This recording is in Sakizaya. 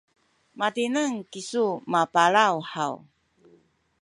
matineng kisu mapalaw haw?